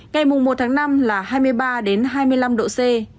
ngày một tháng năm là hai mươi ba hai mươi năm độ c